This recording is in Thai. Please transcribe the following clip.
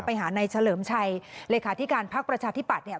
ไปหาในเฉลิมชัยเลขาธิการพักประชาธิปัตยเนี่ย